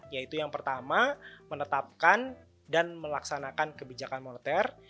yaitu yang pertama menetapkan dan melaksanakan kebijakan moneter